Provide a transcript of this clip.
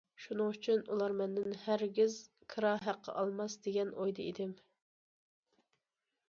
شۇنىڭ ئۈچۈن، ئۇلار مەندىن ھەرگىز كىرا ھەققى ئالماس دېگەن ئويدا ئىدىم.